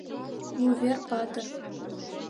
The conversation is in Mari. — Вувер патыр!